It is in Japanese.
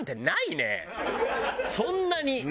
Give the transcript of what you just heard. そんなに。